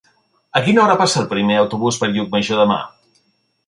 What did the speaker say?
A quina hora passa el primer autobús per Llucmajor demà?